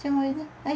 はい。